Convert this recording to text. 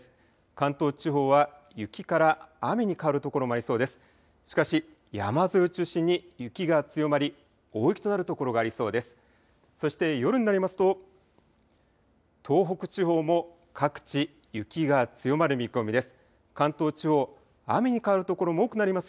関東地方は雪から雨に変わる所もありそうです。